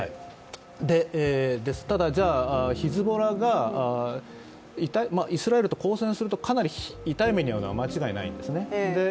ただ、じゃあヒズボラがイスラエルと交戦するとかなり痛い目に遭うのは間違いないんですね。